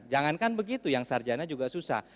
jangankan begitu yang sarjana juga susah